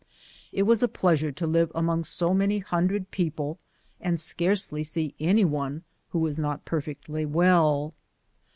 It was a pleasure to live among so many hundred people and scarcely see any one who was not perfectly well.